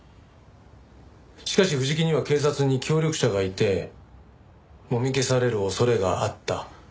しかし藤木には警察に協力者がいてもみ消される恐れがあった。